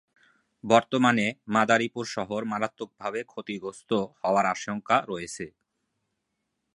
বর্তমানে মাদারীপুর শহর মারাত্মকভাবে ক্ষতিগ্রস্ত হওয়ার আশঙ্কা রয়েছে।